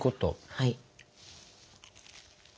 はい。